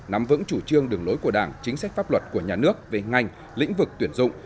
nắm vững chủ trương đường lối của đảng chính sách pháp luật của nhà nước về ngành lĩnh vực tuyển dụng